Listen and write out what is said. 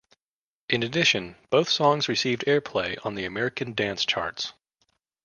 In addition, both songs received airplay on the American dance charts.